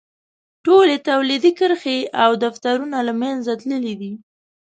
ټولې تولیدي کرښې او دفترونه له منځه تللی شي.